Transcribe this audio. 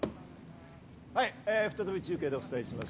はい、再び中継でお伝えします。